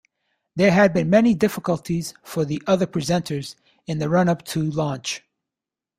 There had been many difficulties for the other presenters in the run-up to launch.